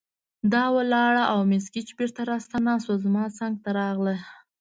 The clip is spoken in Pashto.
دا ولاړه او مس ګېج بیرته راستنه شوه، زما څنګ ته راغله.